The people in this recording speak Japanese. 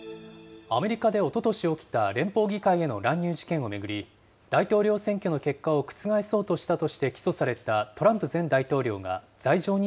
アメリカでおととし起きた連邦議会への乱入事件を巡り、大統領選挙の結果を覆そうとしたとして起訴されたトランプ前大統